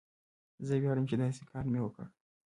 زه ویاړم چې داسې کار مې وکړ.